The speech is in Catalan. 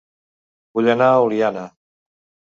Vull anar a Oliana